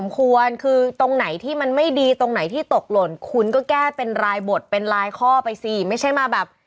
กดเป็นลายข้อไปซิไม่ใช่มาแบบ